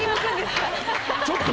ちょっと！